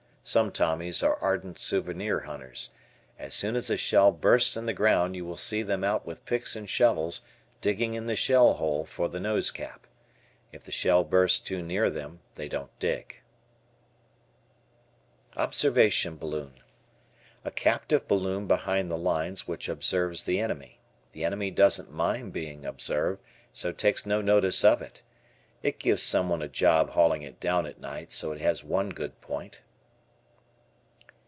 Some Tommies are ardent souvenir hunters. As soon as a shell bursts in the ground you will see them out with picks and shovels digging in the shell hole for the nose cap. If the shell bursts too near them they don't dig. O Observation Balloon. A captive balloon behind the lines which observes the enemy. The enemy doesn't mind being observed, so takes no notice of it. It gives someone a job hauling it down at night, so it has one good point.